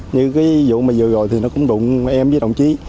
như cái vụ mà vừa rồi thì nó cũng đụng em với đồng chí